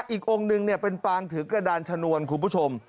อีกองค์หนึ่งเป็นปางถือกระดานชนวนคุณผู้ชม